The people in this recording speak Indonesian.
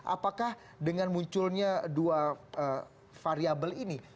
apakah dengan munculnya dua variable ini